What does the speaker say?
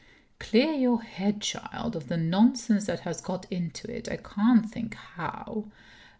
"Clear your head, child, of the nonsense that has got into it I can't think how.